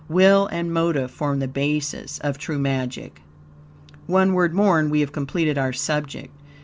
Will and motive form the basis of true magic. One word more and we have completed our subject.